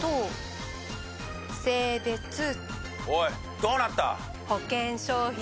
おいどうなった？